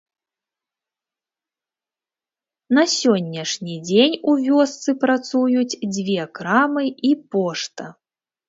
На сённяшні дзень у вёсцы працуюць дзве крамы і пошта.